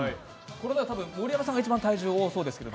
盛山さんが体重重そうですけど。